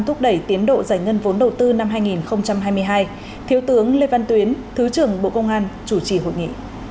hội nghị giao ban thúc đẩy tiến độ giải ngân vốn đầu tư năm hai nghìn hai mươi hai thiếu tướng lê văn tuyến thứ trưởng bộ công an chủ trì hội nghị